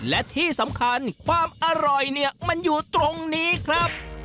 และที่สำคัญความอร่อยเนี่ยมันอยู่ตรงนี้ครับ